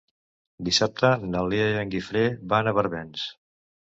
Dissabte na Lea i en Guifré van a Barbens.